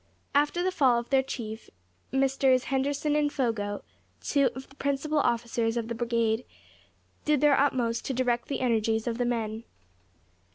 After the fall of their Chief, Messrs. Henderson and Fogo, two of the principal officers of the brigade, did their utmost to direct the energies of the men.